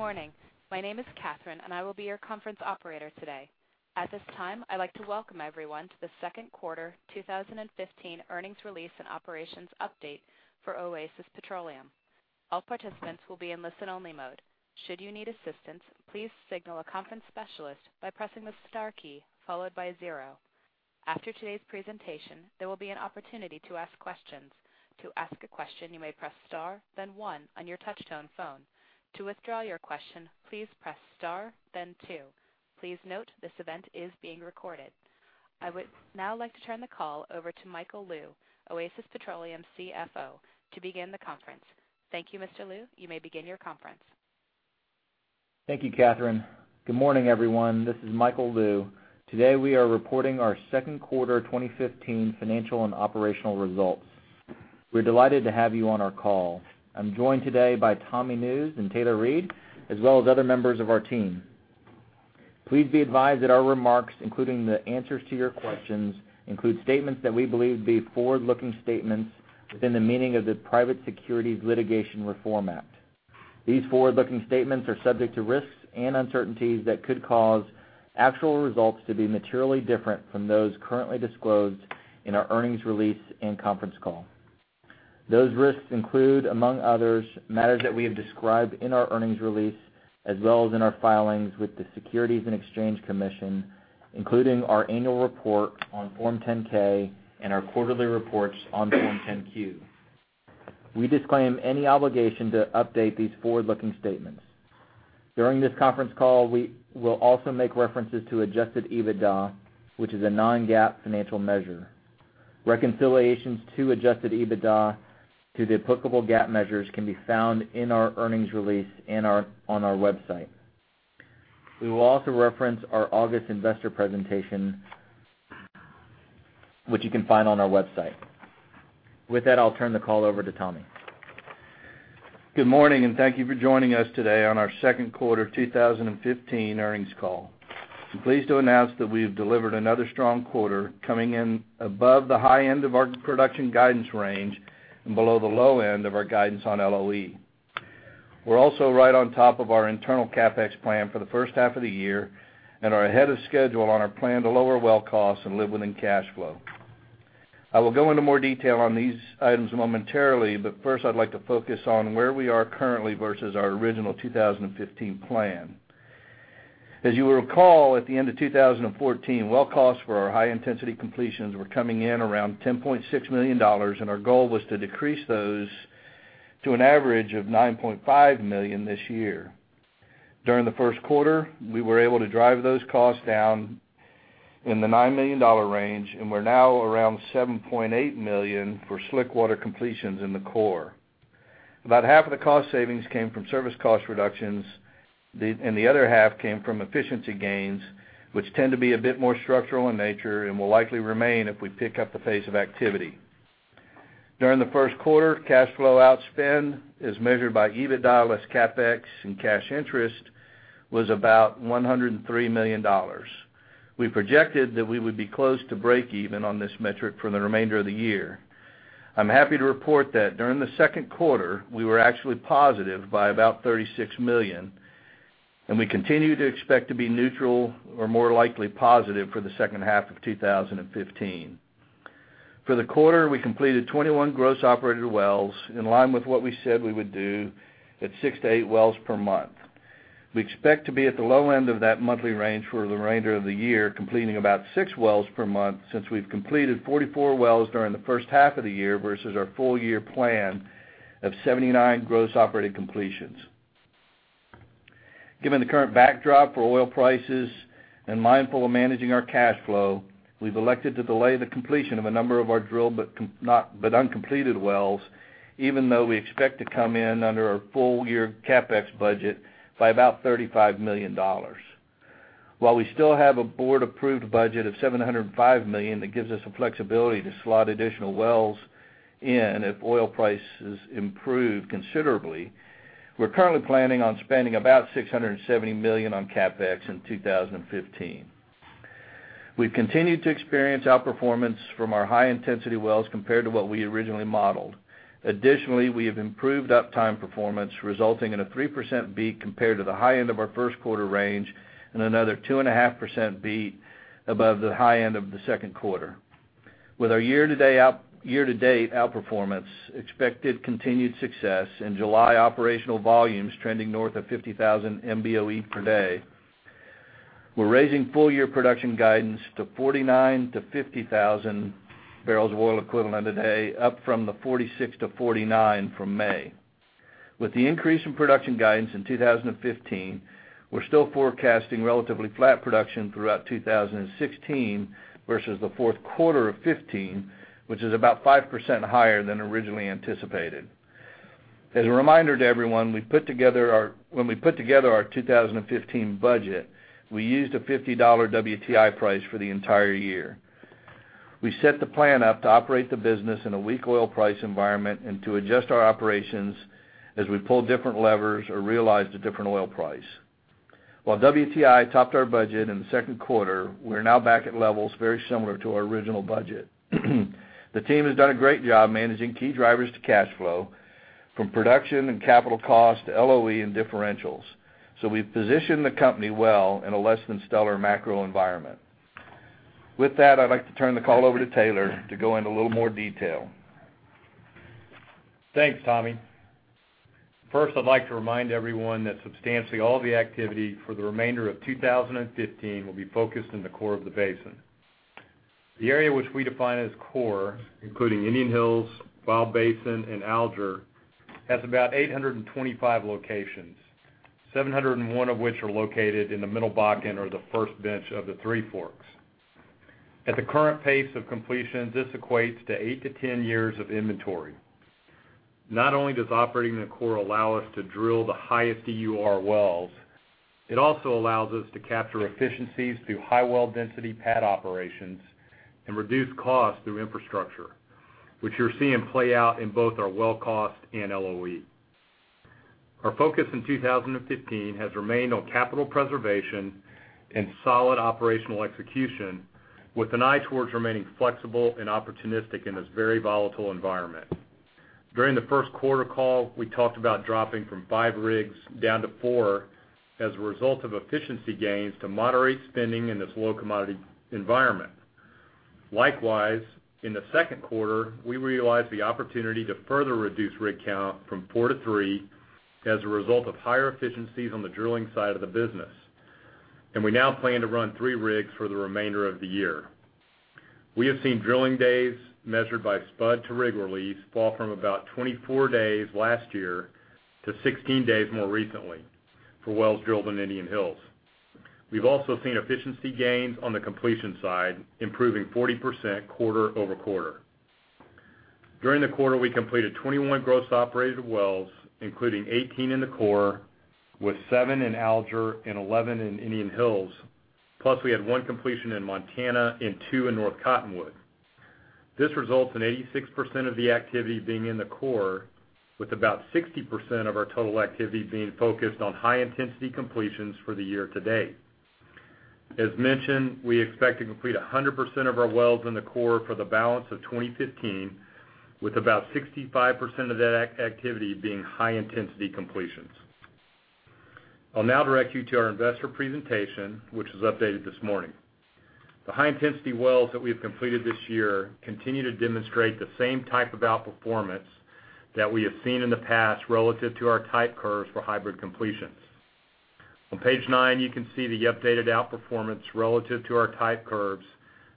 Morning. My name is Catherine, and I will be your conference operator today. At this time, I'd like to welcome everyone to the second quarter 2015 earnings release and operations update for Oasis Petroleum. All participants will be in listen-only mode. Should you need assistance, please signal a conference specialist by pressing the star key followed by 0. After today's presentation, there will be an opportunity to ask questions. To ask a question, you may press star, then 1 on your touchtone phone. To withdraw your question, please press star, then 2. Please note this event is being recorded. I would now like to turn the call over to Michael Lou, Oasis Petroleum CFO, to begin the conference. Thank you, Mr. Lou. You may begin your conference. Thank you, Catherine. Good morning, everyone. This is Michael Lou. Today, we are reporting our second quarter 2015 financial and operational results. We're delighted to have you on our call. I'm joined today by Tommy Nusz and Taylor Reid, as well as other members of our team. Please be advised that our remarks, including the answers to your questions, include statements that we believe to be forward-looking statements within the meaning of the Private Securities Litigation Reform Act. These forward-looking statements are subject to risks and uncertainties that could cause actual results to be materially different from those currently disclosed in our earnings release and conference call. Those risks include, among others, matters that we have described in our earnings release, as well as in our filings with the Securities and Exchange Commission, including our annual report on Form 10-K and our quarterly reports on Form 10-Q. We disclaim any obligation to update these forward-looking statements. During this conference call, we will also make references to adjusted EBITDA, which is a non-GAAP financial measure. Reconciliations to adjusted EBITDA to the applicable GAAP measures can be found in our earnings release and on our website. We will also reference our August investor presentation, which you can find on our website. With that, I'll turn the call over to Tommy. Good morning and thank you for joining us today on our second quarter 2015 earnings call. I'm pleased to announce that we have delivered another strong quarter, coming in above the high end of our production guidance range and below the low end of our guidance on LOE. We're also right on top of our internal CapEx plan for the first half of the year and are ahead of schedule on our plan to lower well costs and live within cash flow. I will go into more detail on these items momentarily, but first, I'd like to focus on where we are currently versus our original 2015 plan. As you will recall, at the end of 2014, well costs for our high-intensity completions were coming in around $10.6 million, and our goal was to decrease those to an average of $9.5 million this year. During the first quarter, we were able to drive those costs down in the $9 million range, and we're now around $7.8 million for slickwater completions in the core. About half of the cost savings came from service cost reductions, and the other half came from efficiency gains, which tend to be a bit more structural in nature and will likely remain if we pick up the pace of activity. During the first quarter, cash flow outspend, as measured by EBITDA less CapEx and cash interest, was about $103 million. We projected that we would be close to breakeven on this metric for the remainder of the year. I'm happy to report that during the second quarter, we were actually positive by about $36 million, and we continue to expect to be neutral or more likely positive for the second half of 2015. For the quarter, we completed 21 gross operated wells in line with what we said we would do at 6 to 8 wells per month. We expect to be at the low end of that monthly range for the remainder of the year, completing about 6 wells per month since we've completed 44 wells during the first half of the year versus our full-year plan of 79 gross operated completions. Given the current backdrop for oil prices and mindful of managing our cash flow, we've elected to delay the completion of a number of our drilled but uncompleted wells, even though we expect to come in under our full-year CapEx budget by about $35 million. While we still have a board-approved budget of $705 million that gives us the flexibility to slot additional wells in if oil prices improve considerably, we're currently planning on spending about $670 million on CapEx in 2015. We've continued to experience outperformance from our high-intensity wells compared to what we originally modeled. Additionally, we have improved uptime performance, resulting in a 3% beat compared to the high end of our first quarter range and another 2.5% beat above the high end of the second quarter. With our year-to-date outperformance, expected continued success, and July operational volumes trending north of 50,000 MBOE per day, we're raising full-year production guidance to 49 to 50,000 barrels of oil equivalent a day, up from the 46 to 49 from May. With the increase in production guidance in 2015, we're still forecasting relatively flat production throughout 2016 versus the fourth quarter of 2015, which is about 5% higher than originally anticipated. As a reminder to everyone, when we put together our 2015 budget, we used a $50 WTI price for the entire year. We set the plan up to operate the business in a weak oil price environment and to adjust our operations as we pull different levers or realize the different oil price. While WTI topped our budget in the second quarter, we're now back at levels very similar to our original budget. The team has done a great job managing key drivers to cash flow from production and capital cost to LOE and differentials. We've positioned the company well in a less than stellar macro environment. With that, I'd like to turn the call over to Taylor to go into a little more detail. Thanks, Tommy. First, I'd like to remind everyone that substantially all the activity for the remainder of 2015 will be focused in the core of the basin. The area which we define as core, including Indian Hills, Wild Basin, and Alger, has about 825 locations. 701 of which are located in the Middle Bakken or the First Bench of the Three Forks. At the current pace of completions, this equates to 8-10 years of inventory. Not only does operating in the core allow us to drill the highest EUR wells, it also allows us to capture efficiencies through high well density pad operations and reduce costs through infrastructure, which you're seeing play out in both our well cost and LOE. Our focus in 2015 has remained on capital preservation and solid operational execution with an eye towards remaining flexible and opportunistic in this very volatile environment. During the first quarter call, we talked about dropping from five rigs down to four as a result of efficiency gains to moderate spending in this low commodity environment. Likewise, in the second quarter, we realized the opportunity to further reduce rig count from four to three as a result of higher efficiencies on the drilling side of the business. We now plan to run three rigs for the remainder of the year. We have seen drilling days measured by spud to rig release fall from about 24 days last year to 16 days more recently for wells drilled in Indian Hills. We've also seen efficiency gains on the completion side, improving 40% quarter-over-quarter. During the quarter, we completed 21 gross operated wells, including 18 in the core, with seven in Alger and 11 in Indian Hills, plus we had one completion in Montana and two in North Cottonwood. This results in 86% of the activity being in the core, with about 60% of our total activity being focused on high-intensity completions for the year to date. As mentioned, we expect to complete 100% of our wells in the core for the balance of 2015, with about 65% of that activity being high-intensity completions. I'll now direct you to our investor presentation, which was updated this morning. The high-intensity wells that we have completed this year continue to demonstrate the same type of outperformance that we have seen in the past relative to our type curves for hybrid completions. On page nine, you can see the updated outperformance relative to our type curves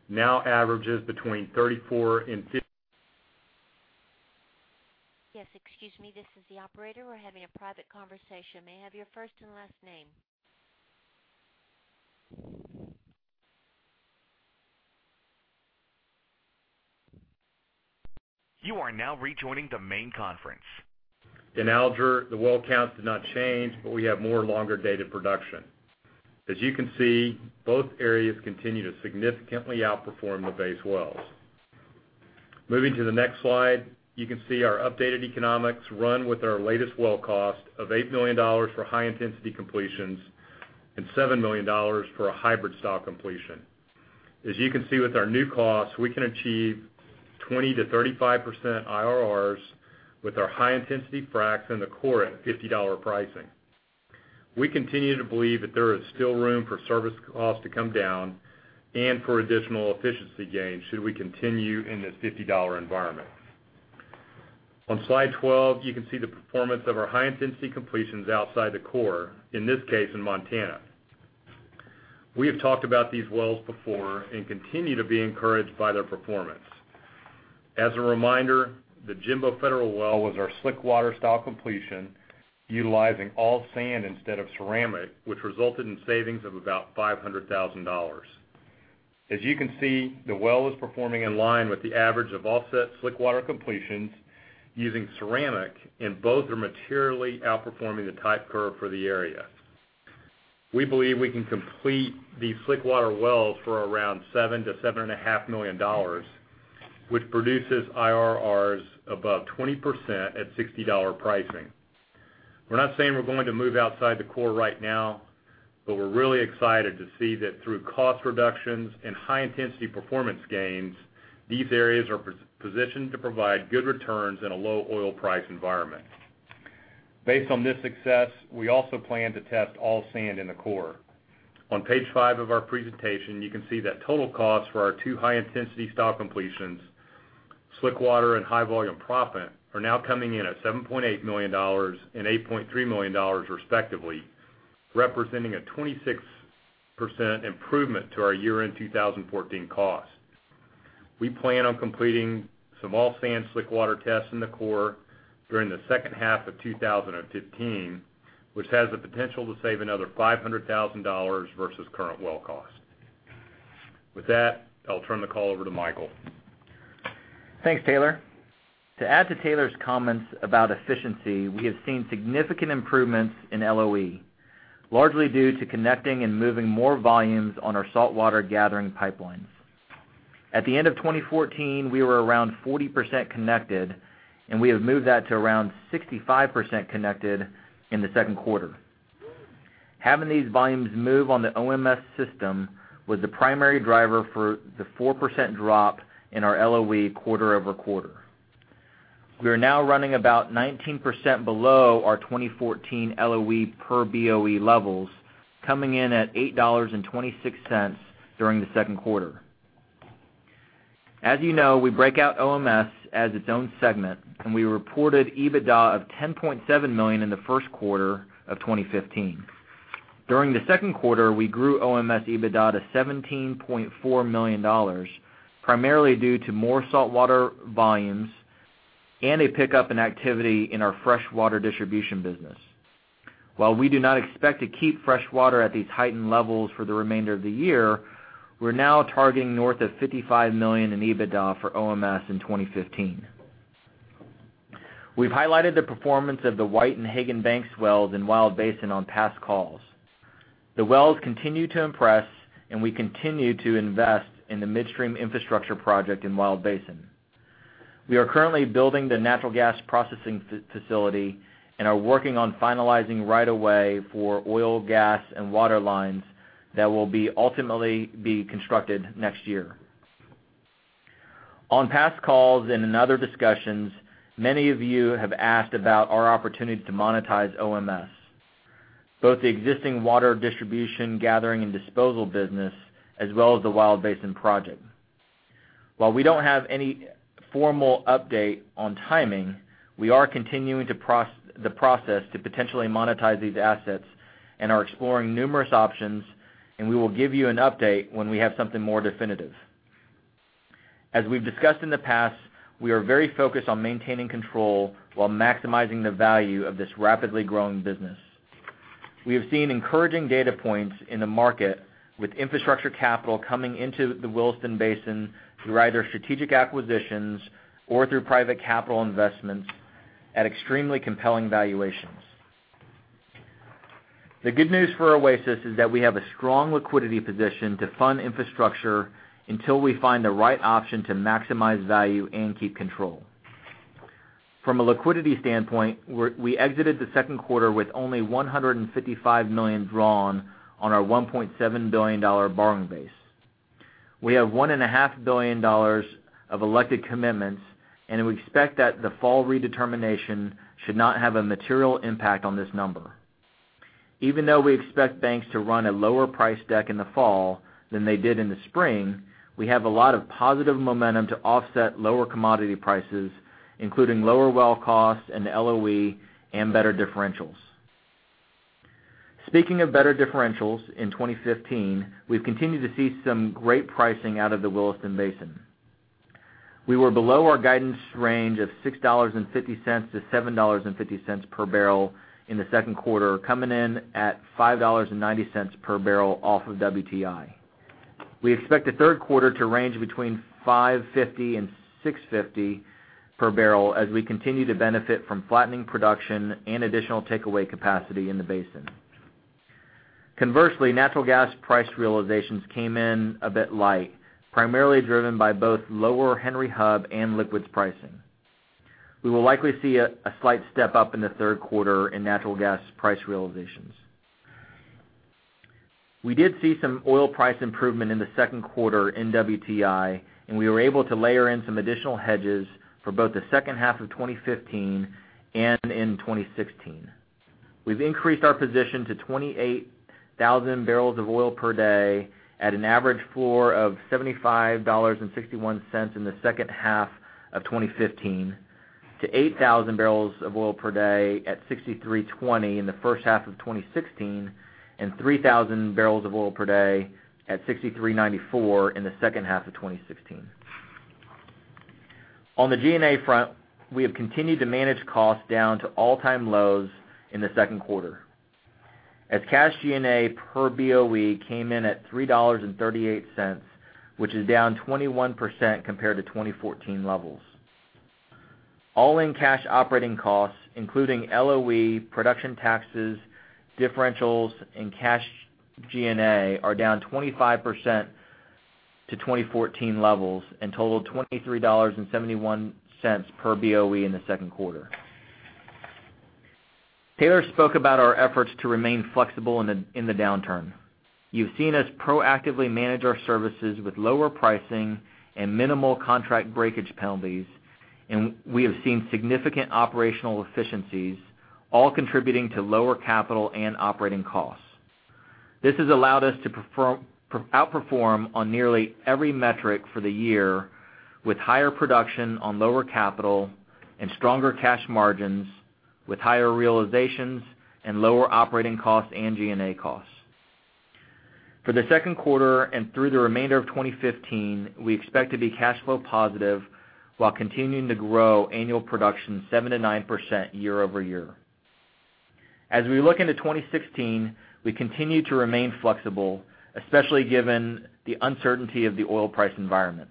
now averages between 34 and 50. Yes, excuse me, this is the operator. We're having a private conversation. May I have your first and last name? You are now rejoining the main conference. In Alger, the well counts did not change, but we have more longer data production. As you can see, both areas continue to significantly outperform the base wells. Moving to the next slide, you can see our updated economics run with our latest well cost of $8 million for high-intensity completions and $7 million for a hybrid style completion. As you can see with our new costs, we can achieve 20%-35% IRRs with our high-intensity fracs in the core at $50 pricing. We continue to believe that there is still room for service costs to come down and for additional efficiency gains should we continue in this $50 environment. On slide 12, you can see the performance of our high-intensity completions outside the core, in this case, in Montana. We have talked about these wells before and continue to be encouraged by their performance. As a reminder, the Jimbo Federal well was our slickwater style completion utilizing all sand instead of ceramic, which resulted in savings of about $500,000. As you can see, the well is performing in line with the average of all slickwater completions using ceramic, and both are materially outperforming the type curve for the area. We believe we can complete these slickwater wells for around $7 million to $7.5 million, which produces IRRs above 20% at $60 pricing. We're not saying we're going to move outside the core right now, but we're really excited to see that through cost reductions and high-intensity performance gains, these areas are positioned to provide good returns in a low oil price environment. Based on this success, we also plan to test all sand in the core. On page five of our presentation, you can see that total costs for our two high-intensity style completions, slickwater and high-volume proppant are now coming in at $7.8 million and $8.3 million respectively, representing a 26% improvement to our year-end 2014 cost. We plan on completing some all sand slickwater tests in the core during the second half of 2015, which has the potential to save another $500,000 versus current well cost. With that, I'll turn the call over to Michael. Thanks, Taylor. To add to Taylor's comments about efficiency, we have seen significant improvements in LOE, largely due to connecting and moving more volumes on our saltwater gathering pipelines. At the end of 2014, we were around 40% connected, and we have moved that to around 65% connected in the second quarter. Having these volumes move on the OMS system was the primary driver for the 4% drop in our LOE quarter-over-quarter. We are now running about 19% below our 2014 LOE per BOE levels, coming in at $8.26 during the second quarter. As you know, we break out OMS as its own segment, and we reported EBITDA of $10.7 million in the first quarter of 2015. During the second quarter, we grew OMS EBITDA to $17.4 million, primarily due to more saltwater volumes and a pickup in activity in our freshwater distribution business. While we do not expect to keep freshwater at these heightened levels for the remainder of the year, we're now targeting north of $55 million in EBITDA for OMS in 2015. We've highlighted the performance of the White and Hagen Banks wells in Wild Basin on past calls. The wells continue to impress, and we continue to invest in the midstream infrastructure project in Wild Basin. We are currently building the natural gas processing facility and are working on finalizing right of way for oil, gas, and water lines that will ultimately be constructed next year. On past calls and in other discussions, many of you have asked about our opportunity to monetize OMS, both the existing water distribution, gathering, and disposal business, as well as the Wild Basin project. While we don't have any formal update on timing, we are continuing the process to potentially monetize these assets and are exploring numerous options, and we will give you an update when we have something more definitive. As we've discussed in the past, we are very focused on maintaining control while maximizing the value of this rapidly growing business. We have seen encouraging data points in the market with infrastructure capital coming into the Williston Basin through either strategic acquisitions or through private capital investments at extremely compelling valuations. The good news for Oasis is that we have a strong liquidity position to fund infrastructure until we find the right option to maximize value and keep control. From a liquidity standpoint, we exited the second quarter with only $155 million drawn on our $1.7 billion borrowing base. We have $1.5 billion of elected commitments, and we expect that the fall redetermination should not have a material impact on this number. Even though we expect banks to run a lower price deck in the fall than they did in the spring, we have a lot of positive momentum to offset lower commodity prices, including lower well costs and LOE, and better differentials. Speaking of better differentials, in 2015, we've continued to see some great pricing out of the Williston Basin. We were below our guidance range of $6.50-$7.50 per barrel in the second quarter, coming in at $5.90 per barrel off of WTI. We expect the third quarter to range between $5.50 and $6.50 per barrel as we continue to benefit from flattening production and additional takeaway capacity in the basin. Conversely, natural gas price realizations came in a bit light, primarily driven by both lower Henry Hub and liquids pricing. We will likely see a slight step-up in the third quarter in natural gas price realizations. We did see some oil price improvement in the second quarter in WTI, and we were able to layer in some additional hedges for both the second half of 2015 and in 2016. We've increased our position to 28,000 barrels of oil per day at an average floor of $75.61 in the second half of 2015 to 8,000 barrels of oil per day at $63.20 in the first half of 2016 and 3,000 barrels of oil per day at $63.94 in the second half of 2016. On the G&A front, we have continued to manage costs down to all-time lows in the second quarter. As cash G&A per BOE came in at $3.38, which is down 21% compared to 2014 levels. All-in cash operating costs, including LOE, production taxes, differentials, and cash G&A are down 25% to 2014 levels and totaled $23.71 per BOE in the second quarter. Taylor spoke about our efforts to remain flexible in the downturn. You've seen us proactively manage our services with lower pricing and minimal contract breakage penalties, and we have seen significant operational efficiencies, all contributing to lower capital and operating costs. This has allowed us to outperform on nearly every metric for the year with higher production on lower capital and stronger cash margins with higher realizations and lower operating costs and G&A costs. For the second quarter and through the remainder of 2015, we expect to be cash flow positive while continuing to grow annual production 7%-9% year-over-year. As we look into 2016, we continue to remain flexible, especially given the uncertainty of the oil price environment.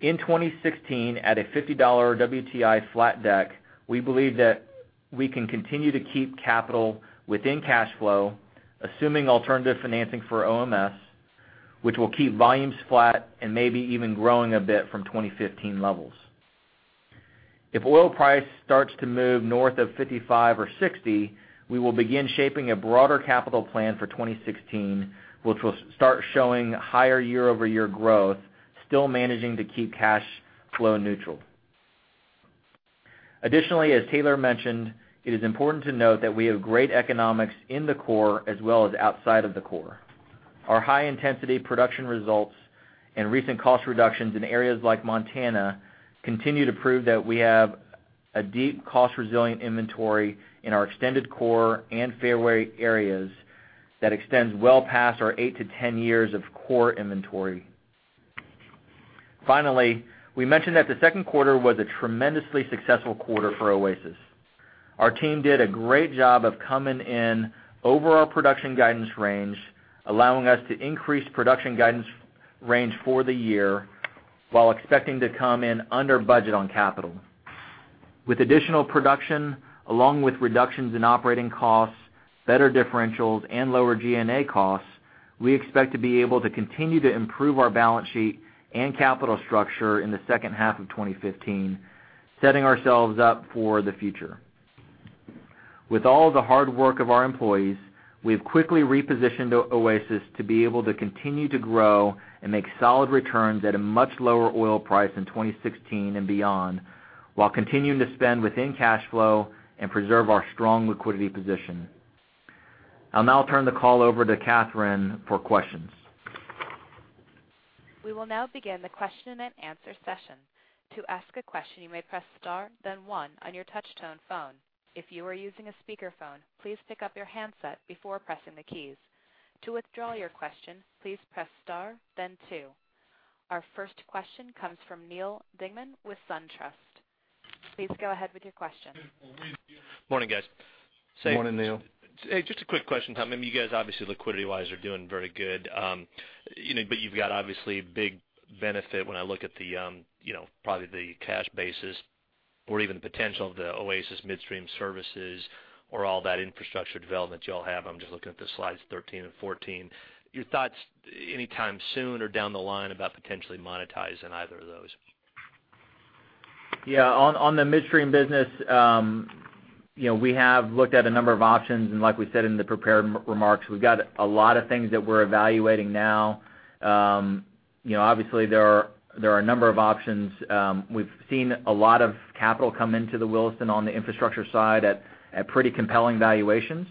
In 2016, at a $50 WTI flat deck, we believe that we can continue to keep capital within cash flow, assuming alternative financing for OMS, which will keep volumes flat and maybe even growing a bit from 2015 levels. If oil price starts to move north of 55 or 60, we will begin shaping a broader capital plan for 2016, which will start showing higher year-over-year growth, still managing to keep cash flow neutral. Additionally, as Taylor mentioned, it is important to note that we have great economics in the core as well as outside of the core. Our high-intensity production results and recent cost reductions in areas like Montana continue to prove that we have a deep cost-resilient inventory in our extended core and fairway areas that extends well past our eight to 10 years of core inventory. Finally, we mentioned that the second quarter was a tremendously successful quarter for Oasis. Our team did a great job of coming in over our production guidance range, allowing us to increase production guidance range for the year while expecting to come in under budget on capital. With additional production, along with reductions in operating costs, better differentials, and lower G&A costs, we expect to be able to continue to improve our balance sheet and capital structure in the second half of 2015, setting ourselves up for the future. With all the hard work of our employees, we've quickly repositioned Oasis to be able to continue to grow and make solid returns at a much lower oil price in 2016 and beyond, while continuing to spend within cash flow and preserve our strong liquidity position. I'll now turn the call over to Catherine for questions. We will now begin the question and answer session. To ask a question, you may press star then one on your touch-tone phone. If you are using a speakerphone, please pick up your handset before pressing the keys. To withdraw your question, please press star then two. Our first question comes from Neal Dingmann with SunTrust. Please go ahead with your question. Morning, guys. Morning, Neal. Hey, just a quick question, Tom. You guys, obviously, liquidity-wise, are doing very good. You've got, obviously, big benefit when I look at probably the cash basis or even the potential of the Oasis Midstream Services or all that infrastructure development you all have. I'm just looking at the Slides 13 and 14. Your thoughts anytime soon or down the line about potentially monetizing either of those? Yeah. On the midstream business, we have looked at a number of options, and like we said in the prepared remarks, we've got a lot of things that we're evaluating now. Obviously, there are a number of options. We've seen a lot of capital come into the Williston on the infrastructure side at pretty compelling valuations.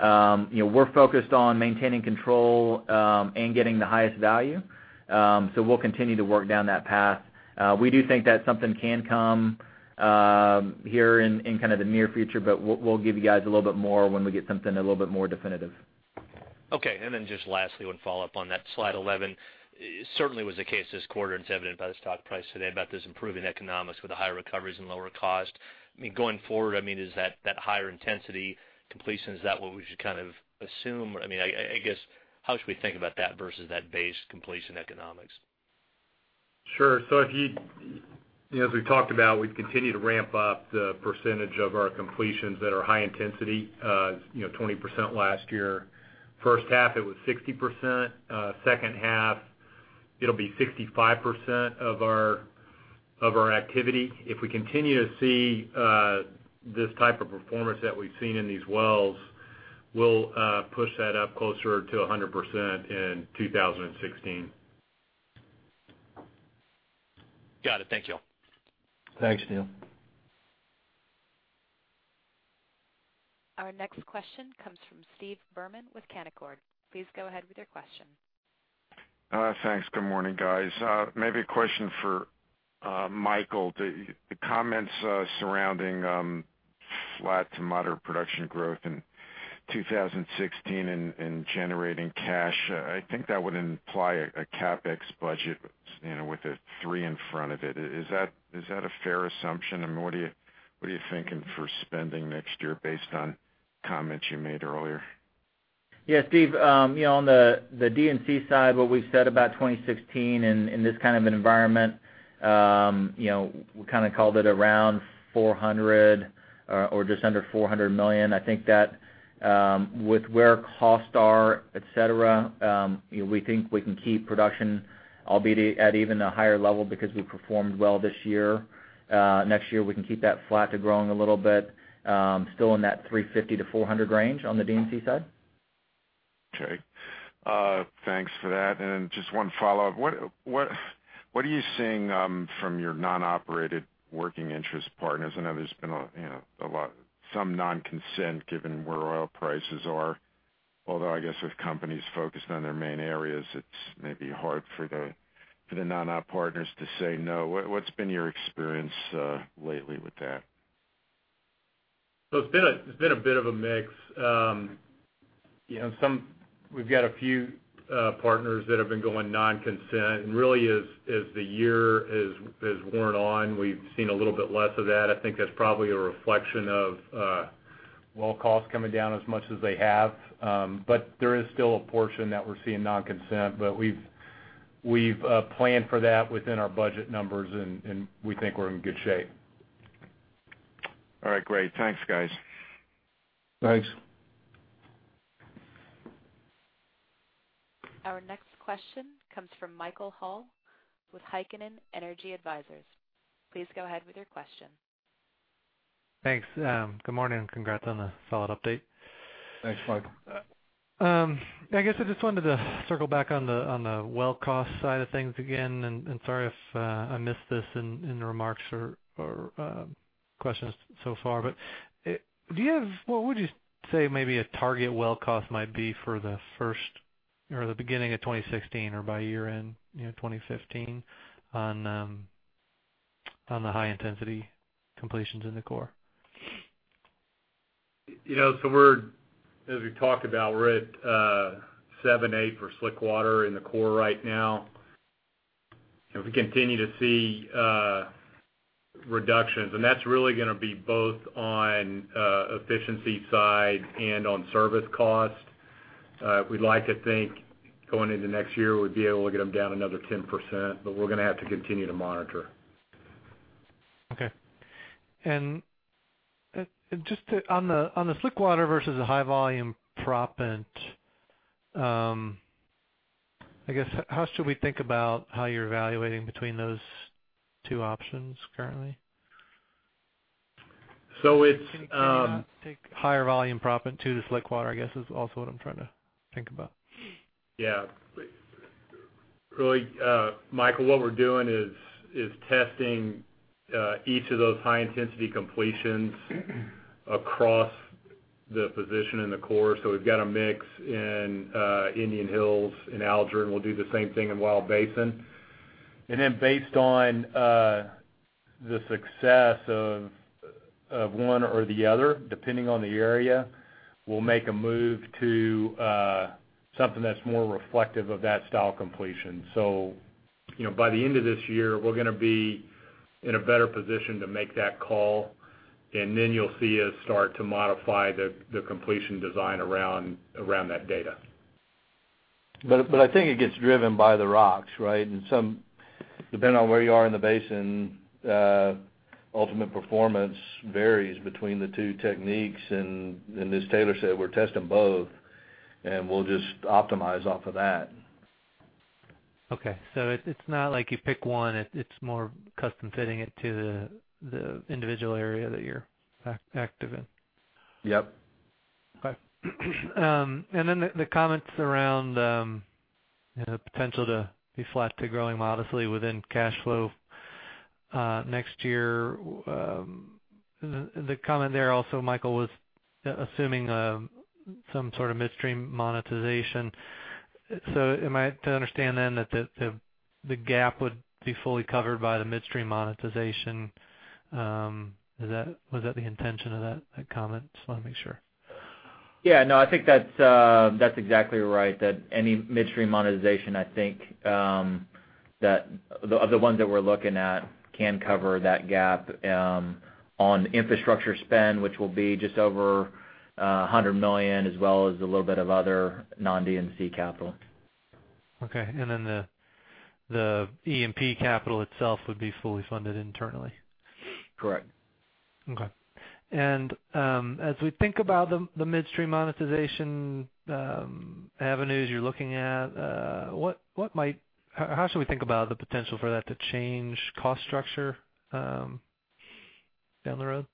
We're focused on maintaining control and getting the highest value. We'll continue to work down that path. We do think that something can come here in the near future, we'll give you guys a little bit more when we get something a little bit more definitive. Okay. Then just lastly, one follow-up on that. Slide 11 certainly was the case this quarter, and it's evident by the stock price today about this improving economics with the higher recoveries and lower cost. Going forward, is that higher intensity completion, is that what we should assume? I guess, how should we think about that versus that base completion economics? Sure. As we've talked about, we've continued to ramp up the percentage of our completions that are high intensity, 20% last year. First half, it was 60%. Second half, it'll be 65% of our activity. If we continue to see this type of performance that we've seen in these wells, we'll push that up closer to 100% in 2016. Got it. Thank you all. Thanks, Neal. Our next question comes from Stephen Berman with Canaccord. Please go ahead with your question. Thanks. Good morning, guys. Maybe a question for Michael. The comments surrounding flat to moderate production growth in 2016 and generating cash, I think that would imply a CapEx budget with a three in front of it. Is that a fair assumption? What are you thinking for spending next year based on comments you made earlier? Yeah, Steve, on the D&C side, what we've said about 2016 in this kind of an environment, we called it around $400 million or just under $400 million. I think that with where costs are, et cetera, we think we can keep production, albeit at even a higher level because we performed well this year. Next year, we can keep that flat to growing a little bit, still in that $350-$400 range on the D&C side. Okay. Thanks for that. Just one follow-up. What are you seeing from your non-operated working interest partners? I know there's been some non-consent given where oil prices are. I guess with companies focused on their main areas, it's maybe hard for the non-op partners to say no. What's been your experience lately with that? It's been a bit of a mix. We've got a few partners that have been going non-consent, and really as the year has worn on, we've seen a little bit less of that. I think that's probably a reflection of Well costs coming down as much as they have. There is still a portion that we're seeing non-consent, but we've planned for that within our budget numbers, and we think we're in good shape. All right, great. Thanks, guys. Thanks. Our next question comes from Michael Hall with Heikkinen Energy Advisors. Please go ahead with your question. Thanks. Good morning, congrats on the solid update. Thanks, Michael. I guess I just wanted to circle back on the well cost side of things again, sorry if I missed this in the remarks or questions so far, what would you say may be a target well cost might be for the first or the beginning of 2016 or by year-end 2015 on the high-intensity completions in the core? As we talked about, we're at seven eight for slickwater in the core right now. If we continue to see reductions, that's really going to be both on efficiency side and on service cost. We'd like to think going into next year, we'd be able to get them down another 10%, we're going to have to continue to monitor. Okay. Just on the slickwater versus the high-volume proppant, I guess, how should we think about how you're evaluating between those two options currently? It's High-volume proppant to the slickwater, I guess, is also what I'm trying to think about. Yeah. Really, Michael, what we're doing is testing each of those high-intensity completions across the position in the core. We've got a mix in Indian Hills, in Alger, and we'll do the same thing in Wild Basin. Then based on the success of one or the other, depending on the area, we'll make a move to something that's more reflective of that style completion. By the end of this year, we're going to be in a better position to make that call, and then you'll see us start to modify the completion design around that data. I think it gets driven by the rocks, right? Depending on where you are in the basin, ultimate performance varies between the two techniques. As Taylor said, we're testing both, and we'll just optimize off of that. Okay, it's not like you pick one. It's more custom fitting it to the individual area that you're active in. Yep. Okay. The comments around the potential to be flat to growing modestly within cash flow next year. The comment there also, Michael, was assuming some sort of midstream monetization. Am I to understand then that the gap would be fully covered by the midstream monetization? Was that the intention of that comment? Just want to make sure. Yeah. No, I think that's exactly right. Any midstream monetization, I think, that of the ones that we're looking at can cover that gap on infrastructure spend, which will be just over $100 million, as well as a little bit of other non D&C capital. Okay. The E&P capital itself would be fully funded internally? Correct. Okay. As we think about the midstream monetization avenues you're looking at, how should we think about the potential for that to change cost structure down the road?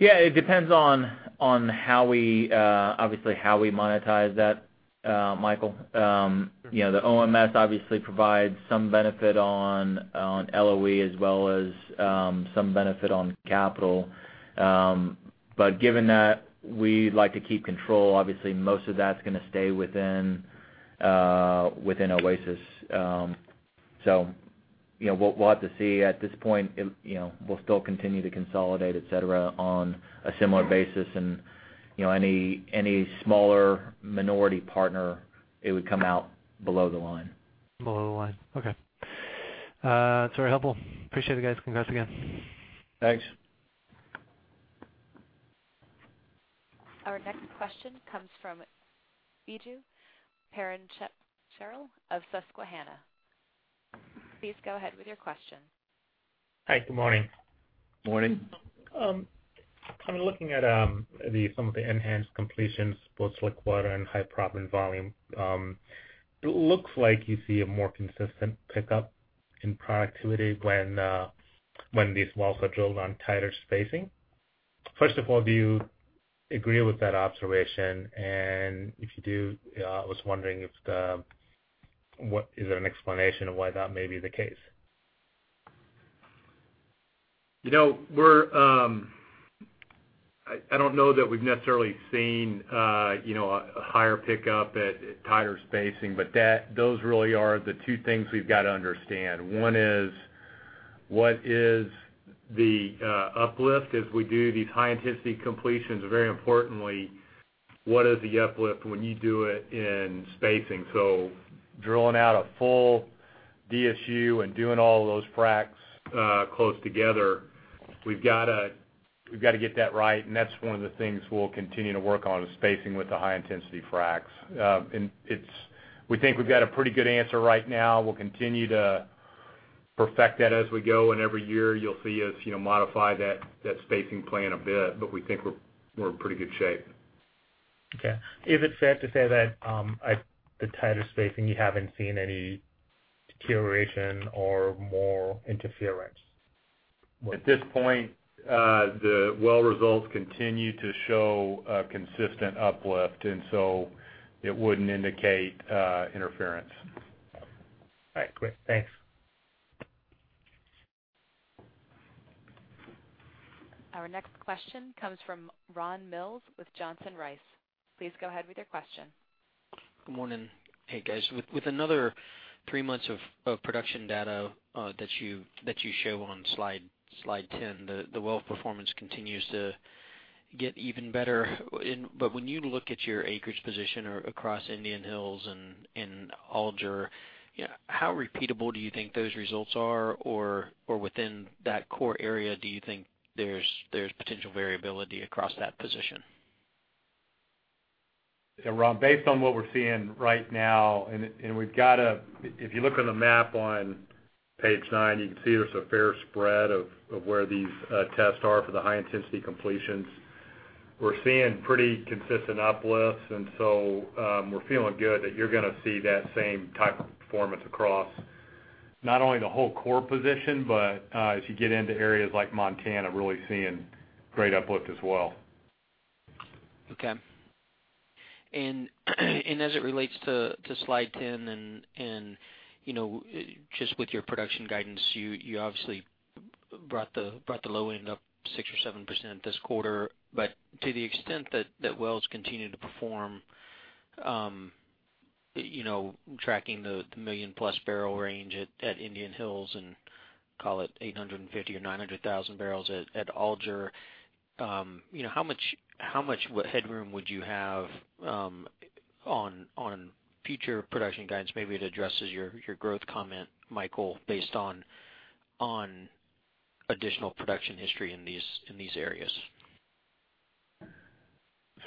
Yeah, it depends on obviously how we monetize that, Michael. The OMS obviously provides some benefit on LOE as well as some benefit on capital. Given that we like to keep control, obviously most of that's going to stay within Oasis. We'll have to see. At this point, we'll still continue to consolidate, et cetera, on a similar basis, and any smaller minority partner, it would come out below the line. Below the line. Okay. It's very helpful. Appreciate it, guys. Congrats again. Thanks. Our next question comes from Biju Perincheril of Susquehanna. Please go ahead with your question. Hi. Good morning. Morning. I'm looking at some of the enhanced completions, both slickwater and high proppant volume. It looks like you see a more consistent pickup in productivity when these wells are drilled on tighter spacing. First of all, do you agree with that observation? If you do, I was wondering is there an explanation of why that may be the case? I don't know that we've necessarily seen a higher pickup at tighter spacing, those really are the two things we've got to understand. One is what is the uplift as we do these high-intensity completions? Very importantly, what is the uplift when you do it in spacing? Drilling out a full DSU and doing all of those fracs close together, we've got to get that right, that's one of the things we'll continue to work on is spacing with the high-intensity fracs. We think we've got a pretty good answer right now. We'll continue to perfect that as we go, every year you'll see us modify that spacing plan a bit, we think we're in pretty good shape. Okay. Is it fair to say that the tighter spacing, you haven't seen any deterioration or more interference? At this point, the well results continue to show a consistent uplift, and so it wouldn't indicate interference. All right, great. Thanks. Our next question comes from Ron Mills with Johnson Rice. Please go ahead with your question. Good morning. Hey, guys. With another three months of production data that you show on slide 10, the well performance continues to get even better. When you look at your acreage position across Indian Hills and Alger, how repeatable do you think those results are? Within that core area, do you think there's potential variability across that position? Yeah, Ron, based on what we're seeing right now, if you look on the map on Page 9, you can see there's a fair spread of where these tests are for the high-intensity completions. We're seeing pretty consistent uplifts, we're feeling good that you're going to see that same type of performance across not only the whole core position, but as you get into areas like Montana, really seeing great uplift as well. Okay. As it relates to slide 10 and just with your production guidance, you obviously brought the low end up 6% or 7% this quarter. To the extent that wells continue to perform tracking the million-plus barrel range at Indian Hills and call it 850,000 or 900,000 barrels at Alger, how much headroom would you have on future production guidance? Maybe it addresses your growth comment, Michael, based on additional production history in these areas.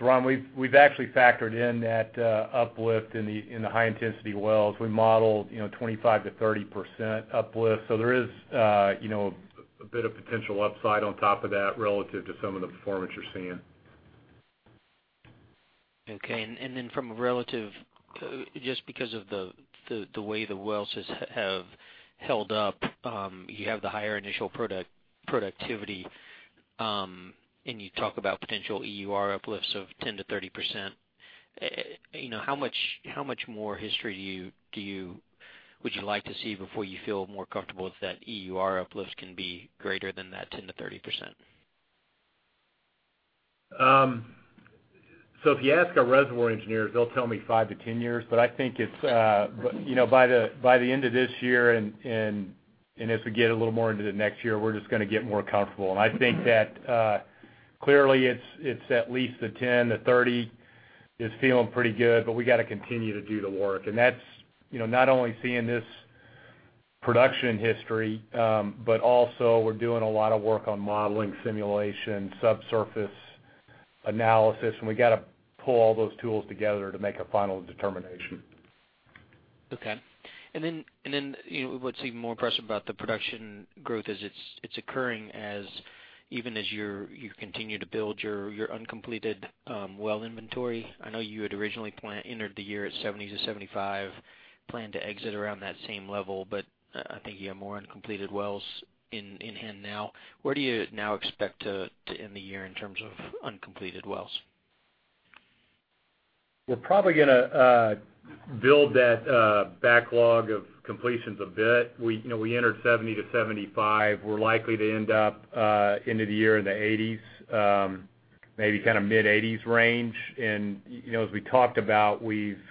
Ron, we've actually factored in that uplift in the high-intensity wells. We modeled 25%-30% uplift. There is a bit of potential upside on top of that relative to some of the performance you're seeing. Okay. From a relative, just because of the way the wells have held up, you have the higher initial productivity, and you talk about potential EUR uplifts of 10% to 30%. How much more history would you like to see before you feel more comfortable if that EUR uplift can be greater than that 10% to 30%? If you ask our reservoir engineers, they'll tell me five to 10 years, I think by the end of this year and as we get a little more into the next year, we're just going to get more comfortable. I think that clearly it's at least the 10%, the 30% is feeling pretty good, we got to continue to do the work. That's not only seeing this production history, also we're doing a lot of work on modeling simulation, subsurface analysis, we got to pull all those tools together to make a final determination. Okay. What's even more impressive about the production growth is it's occurring even as you continue to build your uncompleted well inventory. I know you had originally entered the year at 70 to 75, planned to exit around that same level, I think you have more uncompleted wells in hand now. Where do you now expect to end the year in terms of uncompleted wells? We're probably going to build that backlog of completions a bit. We entered 70 to 75. We're likely to end up end of the year in the 80s, maybe mid-80s range. As we talked about, we've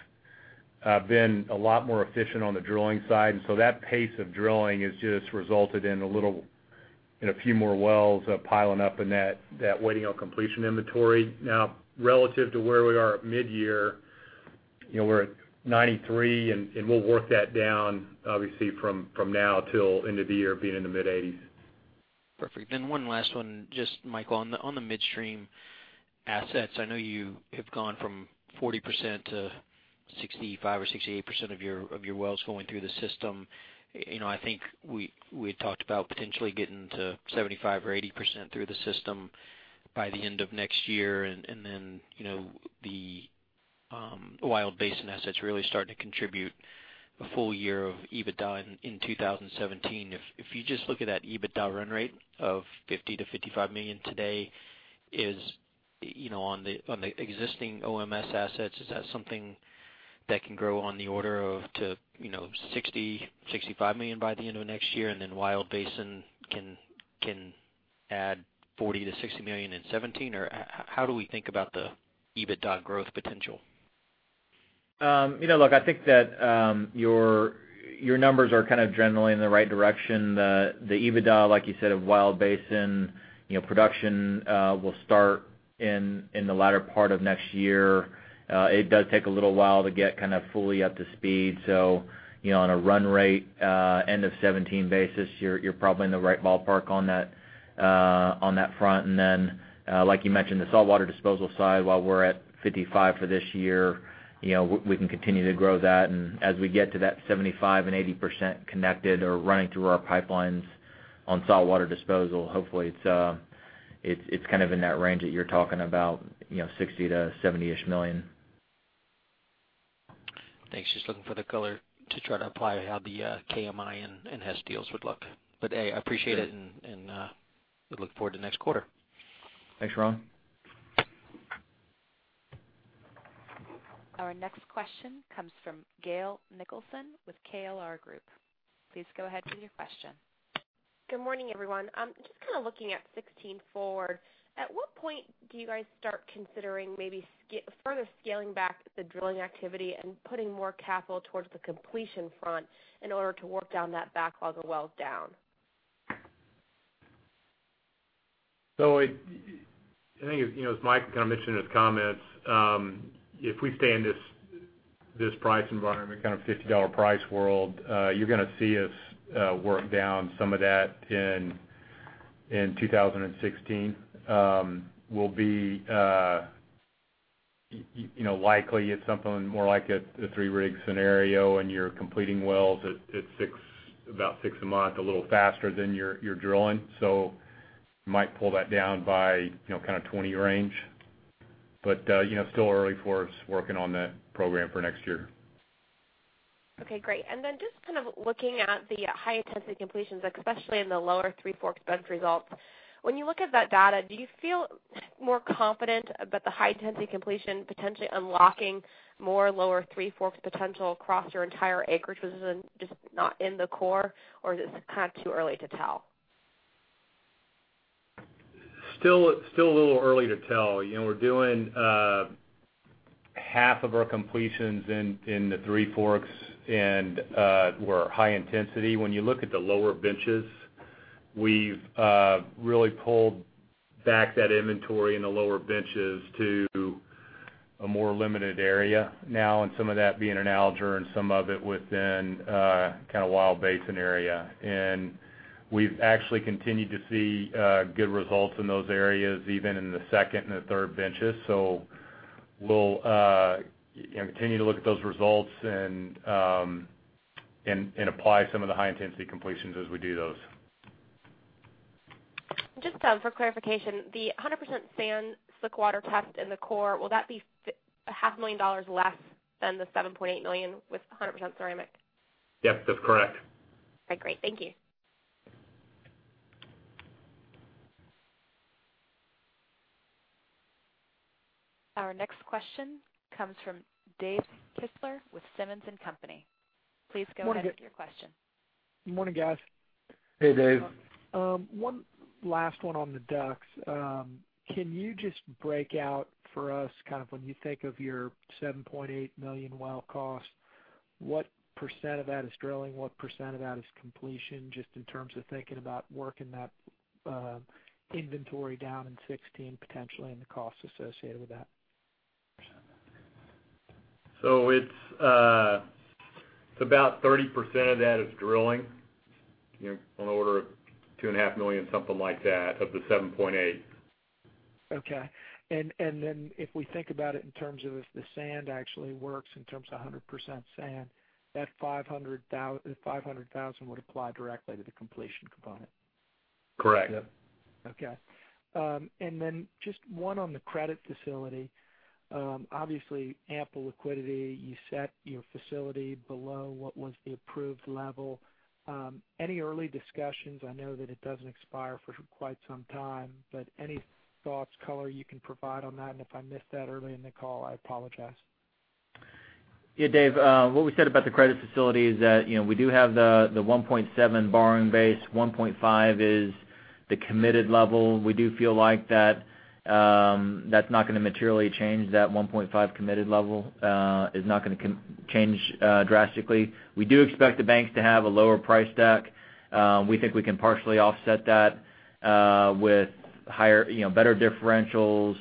been a lot more efficient on the drilling side, that pace of drilling has just resulted in a few more wells piling up in that waiting on completion inventory. Relative to where we are at mid-year, we're at 93, we'll work that down obviously from now till end of the year being in the mid-80s. Perfect. One last one, just Michael, on the midstream assets, I know you have gone from 40% to 65% or 68% of your wells going through the system. I think we had talked about potentially getting to 75% or 80% through the system by the end of next year, and the Wild Basin assets really starting to contribute a full year of EBITDA in 2017. If you just look at that EBITDA run rate of $50 million to $55 million today, on the existing OMS assets, is that something that can grow on the order of to $60 million, $65 million by the end of next year, and Wild Basin can add $40 million to $60 million in 2017? Or how do we think about the EBITDA growth potential? Look, I think that your numbers are generally in the right direction. The EBITDA, like you said, of Wild Basin production will start in the latter part of next year. It does take a little while to get fully up to speed. On a run rate end of 2017 basis, you're probably in the right ballpark on that front. Then, like you mentioned, the saltwater disposal side, while we're at $55 million for this year, we can continue to grow that. As we get to that 75% and 80% connected or running through our pipelines on saltwater disposal, hopefully it's in that range that you're talking about, $60 million to $70 million. Thanks. Just looking for the color to try to apply how the KMI and Hess deals would look. Hey, I appreciate it, and we look forward to next quarter. Thanks, Ron. Our next question comes from Gale Nicholson with KLR Group. Please go ahead with your question. Good morning, everyone. Just looking at 2016 forward, at what point do you guys start considering maybe further scaling back the drilling activity and putting more capital towards the completion front in order to work down that backlog of wells down? I think, as Michael mentioned in his comments, if we stay in this price environment, $50 price world, you're going to see us work down some of that in 2016. likely it's something more like a three-rig scenario, and you're completing wells at about six a month, a little faster than you're drilling. might pull that down by 20 range. still early for us working on that program for next year. Okay, great. just looking at the high-intensity completions, especially in the Lower Three Forks best results. When you look at that data, do you feel more confident about the high-intensity completion potentially unlocking more Lower Three Forks potential across your entire acreage, which is just not in the core? is it too early to tell? Still a little early to tell. We're doing half of our completions in the Three Forks and were high-intensity. When you look at the lower benches, we've really pulled back that inventory in the lower benches to a more limited area now, and some of that being in Alger and some of it within Wild Basin area. We've actually continued to see good results in those areas, even in the second and the third benches. We'll continue to look at those results and apply some of the high-intensity completions as we do those. Just for clarification, the 100% sand slickwater test in the core, will that be $500,000 less than the $7.8 million with 100% ceramic? Yep, that's correct. Okay, great. Thank you. Our next question comes from Dave Kistler with Simmons & Company. Please go ahead with your question. Good morning, guys. Hey, Dave. One last one on the DUCs. Can you just break out for us, when you think of your $7.8 million well cost, what % of that is drilling, what % of that is completion, just in terms of thinking about working that inventory down in 2016, potentially, and the cost associated with that? It's about 30% of that is drilling, on the order of $2.5 million, something like that, of the 7.8. If we think about it in terms of if the sand actually works in terms of 100% sand, that $500,000 would apply directly to the completion component. Correct. Yep. Just one on the credit facility. Obviously, ample liquidity. You set your facility below what was the approved level. Any early discussions? I know that it doesn't expire for quite some time, but any thoughts, color you can provide on that? If I missed that early in the call, I apologize. Yeah, Dave. What we said about the credit facility is that we do have the 1.7 borrowing base. 1.5 is the committed level. We do feel like that's not going to materially change. That 1.5 committed level is not going to change drastically. We do expect the banks to have a lower price deck. We think we can partially offset that with better differentials,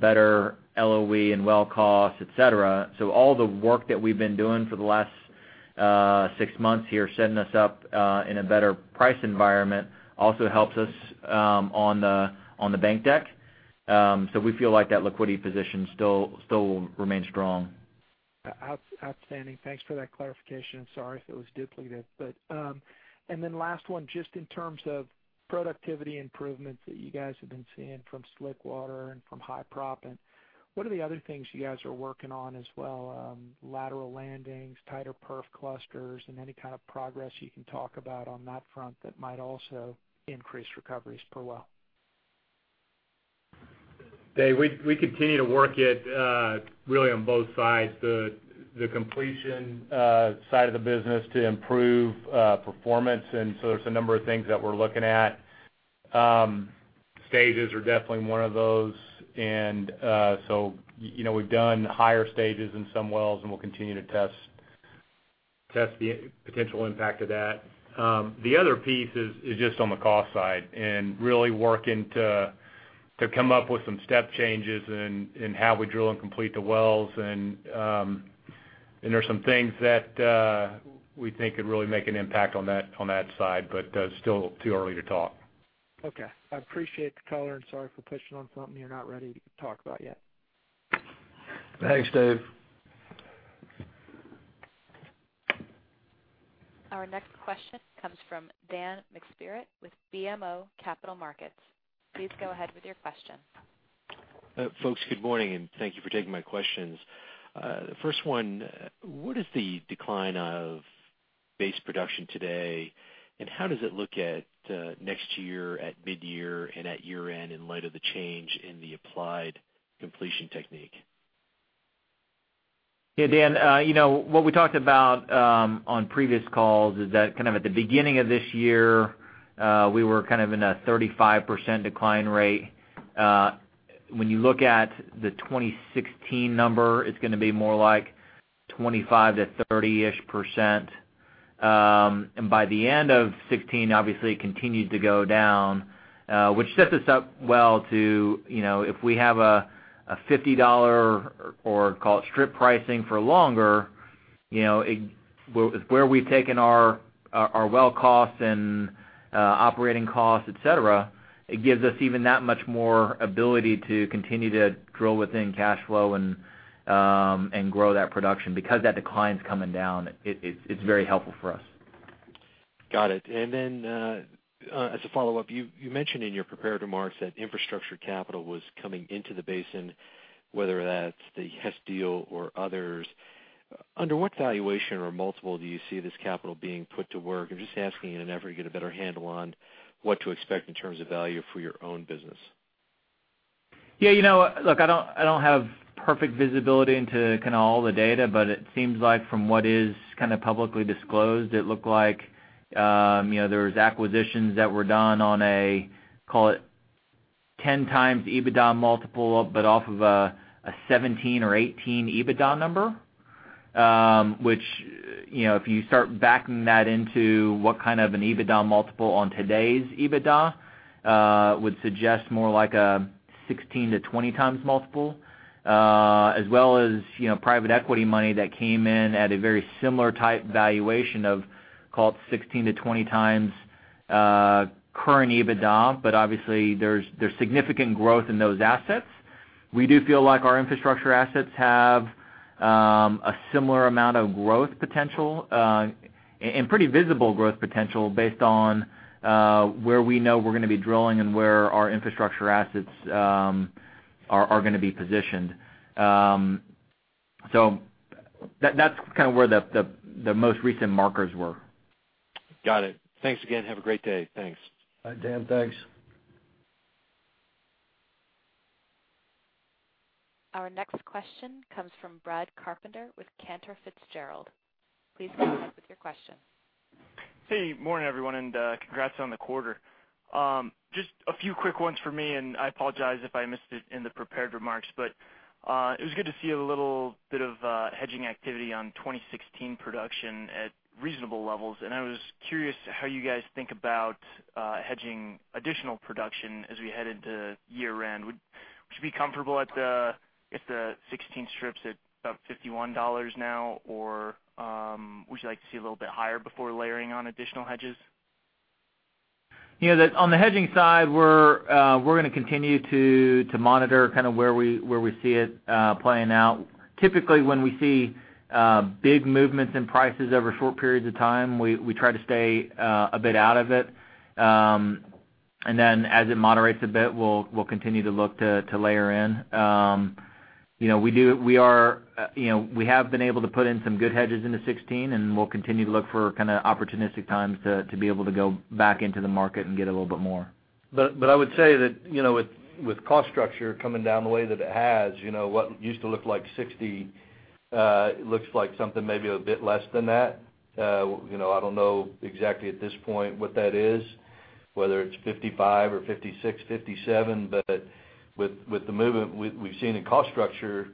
better LOE and well costs, et cetera. All the work that we've been doing for the last six months here, setting us up in a better price environment, also helps us on the bank deck. We feel like that liquidity position still remains strong. Outstanding. Thanks for that clarification. Sorry if it was duplicative. Then last one, just in terms of productivity improvements that you guys have been seeing from slickwater and from high proppant, what are the other things you guys are working on as well? Lateral landings, tighter perf clusters, and any kind of progress you can talk about on that front that might also increase recoveries per well? David, we continue to work it really on both sides, the completion side of the business to improve performance. So there's a number of things that we're looking at. Stages are definitely one of those. So we've done higher stages in some wells, and we'll continue to test the potential impact of that. The other piece is just on the cost side and really working to come up with some step changes in how we drill and complete the wells. There's some things that we think could really make an impact on that side, but still too early to talk. Okay. I appreciate the color and sorry for pushing on something you're not ready to talk about yet. Thanks, David. Our next question comes from Dan McSpirit with BMO Capital Markets. Please go ahead with your question. Folks, good morning, and thank you for taking my questions. The first one, what is the decline of base production today, and how does it look at next year, at midyear, and at year-end in light of the change in the applied completion technique? Yeah, Dan, what we talked about on previous calls is that at the beginning of this year, we were in a 35% decline rate. When you look at the 2016 number, it's going to be more like 25% to 30-ish%. By the end of 2016, obviously, it continued to go down, which sets us up well to, if we have a $50 or call it strip pricing for longer, where we've taken our well costs and operating costs, et cetera, it gives us even that much more ability to continue to drill within cash flow and grow that production. That decline's coming down, it's very helpful for us. Got it. Then, as a follow-up, you mentioned in your prepared remarks that infrastructure capital was coming into the basin, whether that's the Hess deal or others. Under what valuation or multiple do you see this capital being put to work? I'm just asking in an effort to get a better handle on what to expect in terms of value for your own business. Yeah. Look, I don't have perfect visibility into all the data, but it seems like from what is publicly disclosed, it looked like there was acquisitions that were done on a, call it 10x EBITDA multiple, but off of a 17 or 18 EBITDA number. Which, if you start backing that into what kind of an EBITDA multiple on today's EBITDA, would suggest more like a 16x-20x multiple. As well as private equity money that came in at a very similar type valuation of, call it 16x-20x current EBITDA, but obviously there's significant growth in those assets. We do feel like our infrastructure assets have a similar amount of growth potential, and pretty visible growth potential based on where we know we're going to be drilling and where our infrastructure assets are going to be positioned. That's where the most recent markers were. Got it. Thanks again. Have a great day. Thanks. Bye, Dan. Thanks. Our next question comes from Brad Carpenter with Cantor Fitzgerald. Please go ahead with your question. Hey, morning everyone, and congrats on the quarter. Just a few quick ones for me, and I apologize if I missed it in the prepared remarks, but it was good to see a little bit of hedging activity on 2016 production at reasonable levels, and I was curious how you guys think about hedging additional production as we head into year-end. Would you be comfortable if the '16 strips at about $51 now, or would you like to see a little bit higher before layering on additional hedges? On the hedging side, we're going to continue to monitor where we see it playing out. Typically, when we see big movements in prices over short periods of time, we try to stay a bit out of it. As it moderates a bit, we'll continue to look to layer in. We have been able to put in some good hedges into '16, and we'll continue to look for opportunistic times to be able to go back into the market and get a little bit more. I would say that with cost structure coming down the way that it has, what used to look like $60 looks like something maybe a bit less than that. I don't know exactly at this point what that is, whether it's $55 or $56, $57. With the movement we've seen in cost structure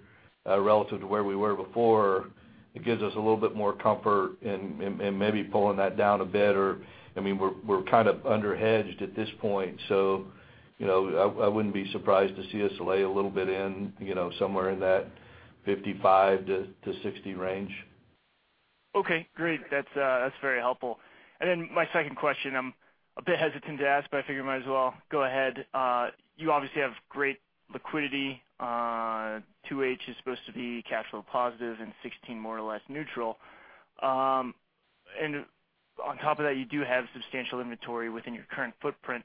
relative to where we were before, it gives us a little bit more comfort in maybe pulling that down a bit or We're under-hedged at this point. I wouldn't be surprised to see us lay a little bit in somewhere in that $55-$60 range. Okay, great. That's very helpful. My second question, I'm a bit hesitant to ask, but I figure I might as well go ahead. You obviously have great liquidity. 2H is supposed to be cash flow positive and 2016 more or less neutral. On top of that, you do have substantial inventory within your current footprint.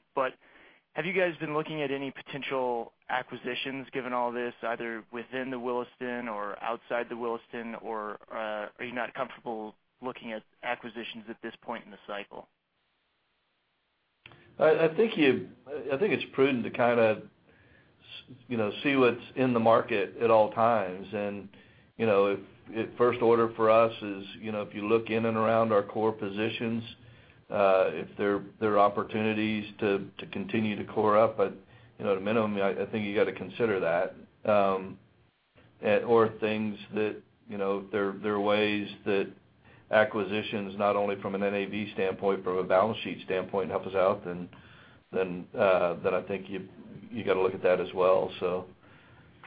Have you guys been looking at any potential acquisitions given all this, either within the Williston or outside the Williston, or are you not comfortable looking at acquisitions at this point in the cycle? I think it's prudent to See what's in the market at all times. First order for us is, if you look in and around our core positions, if there are opportunities to continue to core up, at a minimum, I think you got to consider that. Things that, there are ways that acquisitions, not only from an NAV standpoint, from a balance sheet standpoint, help us out, then I think you got to look at that as well.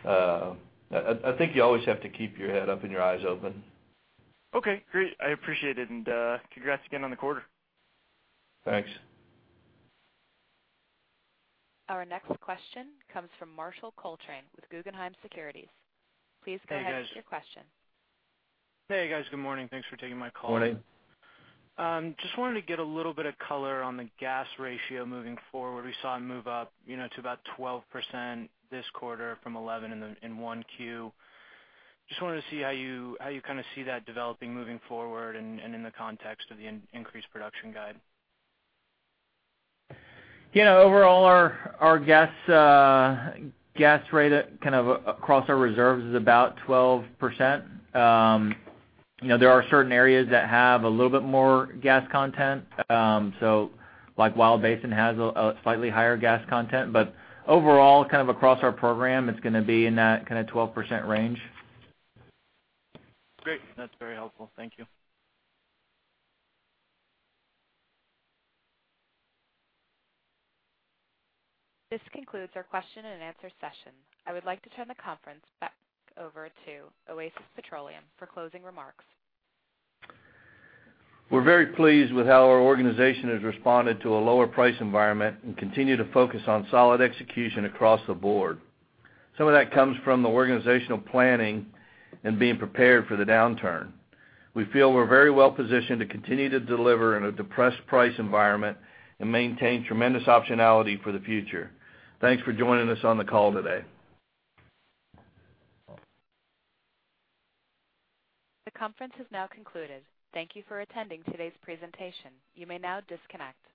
I think you always have to keep your head up and your eyes open. Okay, great. I appreciate it, and congrats again on the quarter. Thanks. Our next question comes from Subash Chandra with Guggenheim Securities. Please go ahead with your question. Hey, guys. Good morning. Thanks for taking my call. Morning. Just wanted to get a little bit of color on the gas ratio moving forward. We saw it move up to about 12% this quarter from 11 in one Q. Just wanted to see how you see that developing moving forward and in the context of the increased production guide. Overall, our gas rate across our reserves is about 12%. There are certain areas that have a little bit more gas content. Like Wild Basin has a slightly higher gas content, but overall, across our program, it's going to be in that 12% range. Great. That's very helpful. Thank you. This concludes our question and answer session. I would like to turn the conference back over to Oasis Petroleum for closing remarks. We're very pleased with how our organization has responded to a lower price environment and continue to focus on solid execution across the board. Some of that comes from the organizational planning and being prepared for the downturn. We feel we're very well positioned to continue to deliver in a depressed price environment and maintain tremendous optionality for the future. Thanks for joining us on the call today. The conference has now concluded. Thank you for attending today's presentation. You may now disconnect.